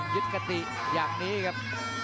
ยึดกระติอย่างนี้ครับ